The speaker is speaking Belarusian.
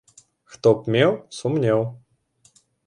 Хто б меў сумнеў.